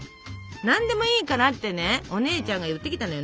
「何でもいいから」ってねお姉ちゃんが言ってきたのよ。